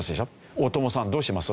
大友さんどうします？